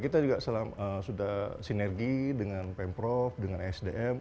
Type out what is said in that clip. kita juga sudah sinergi dengan pemprov dengan sdm